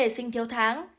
trẻ sinh thiếu tháng